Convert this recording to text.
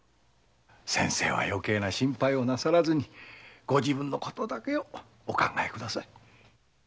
先生はよけいな心配なさらずにご自分の事だけお考えください。